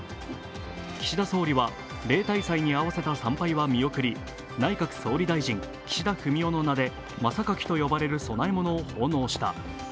岸田総理は例大祭に合わせた参拝は見送り内閣総理大臣・岸田文雄の名でまさかきと呼ばれる供え物を奉納した。